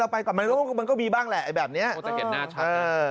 เราไปก่อนมันก็มีบ้างแหละแบบนี้เออค่ะ